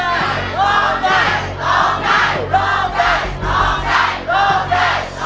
ร้องได้